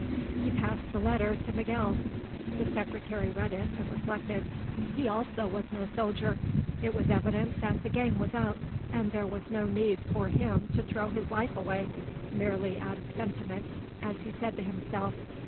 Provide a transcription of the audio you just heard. He passed the letter to Miguel. The Secretary read it and reflected. He also was no soldier. It was evident that the game was up, and there was no need for him to throw his life away, merely out of sentiment as he said to himself.